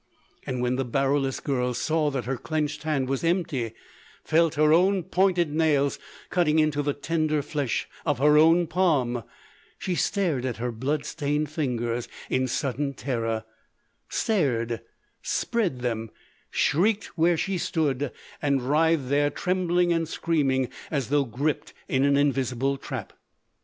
And when the Baroulass girl saw that her clenched hand was empty, felt her own pointed nails cutting into the tender flesh of her own palm, she stared at her blood stained fingers in sudden terror—stared, spread them, shrieked where she stood, and writhed there trembling and screaming as though gripped in an invisible trap.